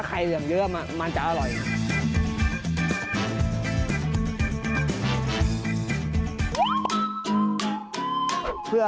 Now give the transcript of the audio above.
ก็ต้องดูไข่ดำมันเยอะ